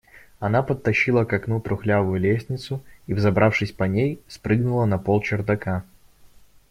Она подтащила к окну трухлявую лестницу и, взобравшись по ней, спрыгнула на пол чердака.